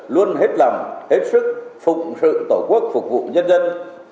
luôn hết lầm hết sức phục sự tổ quốc phục vụ nhân dân